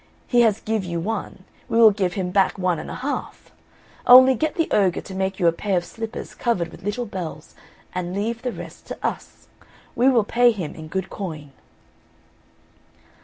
He has give you one, we will give him back one and a half. Only get the ogre to make you a pair of slippers covered with little bells, and leave the rest to us. We will pay him in good coin."